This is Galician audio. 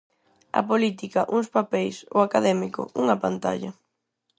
A política, uns papeis; o académico, unha pantalla.